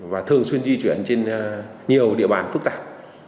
và thường xuyên di chuyển trên nhiều địa bàn phức tạp